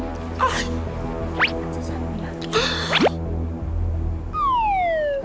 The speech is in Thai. จะเป็นเวย์คู่ต่อนะบ้าง